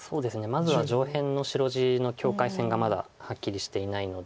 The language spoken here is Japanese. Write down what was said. まずは上辺の白地の境界線がまだはっきりしていないので。